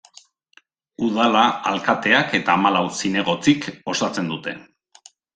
Udala alkateak eta hamalau zinegotzik osatzen dute.